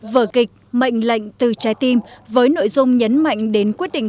vở kịch mệnh lệnh từ trái tim với nội dung nhấn mạnh đến quyết định